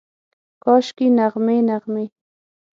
کاشکي، نغمې، نغمې